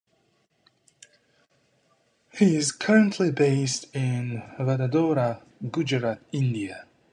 He is currently based in Vadodara, Gujarat, India.